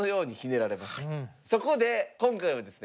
そこで今回はですね